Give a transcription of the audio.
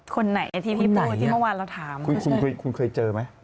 คนไหนที่พี่พูดที่เมื่อวานเราถามเหมือนกันเลยนะครับคุณใหม่คุณเคยเจอไหม